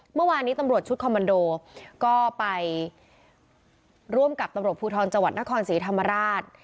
เมื่อวานนี้ตำรวจชุดคอมมันโดก็ไปร่วมกับตำรวจภูทรจังหวัดนครศรีธรรมราช